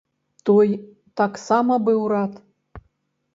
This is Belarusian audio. Той таксама быў рад.